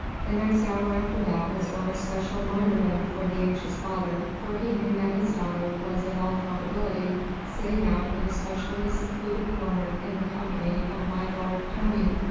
The next hour after that was one of special martyrdom for the anxious father, for he knew that his daughter was in all probability sitting out in a specially secluded corner in the company of my lord Tony.